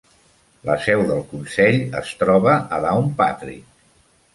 La seu del consell es troba a Downpatrick.